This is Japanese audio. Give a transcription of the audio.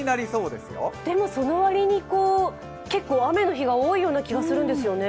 でもその割に雨の日が多いような気がするんですよね。